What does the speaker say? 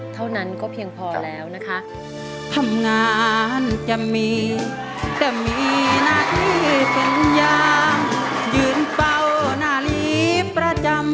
เท่านั้นก็เพียงพอแล้วนะคะ